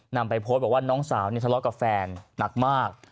นำไปโพสต์บอกว่าน้องสาวทะเลาะกับแฟนหนักมาก